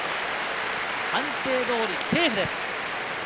判定通りセーフです。